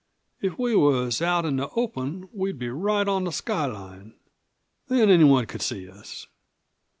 "If we was out in the open we'd be right on the skyline. Then anyone could see us.